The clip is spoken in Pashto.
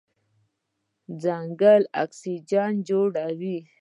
ځنګل اکسیجن جوړوي.